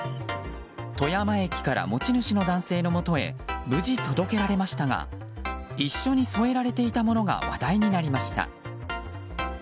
富山駅から持ち主の男性のもとへ無事、届けられましたが一緒に添えられていたものが話題になりました。